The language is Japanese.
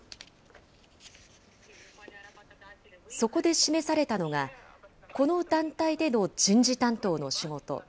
そこで示されたのが、この団体での人事担当の仕事。